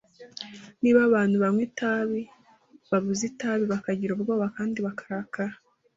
Niba abantu banywa itabi babuze itabi, bagira ubwoba kandi bakarakara.